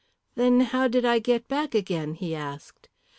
"Then how did I get back again?" he asked.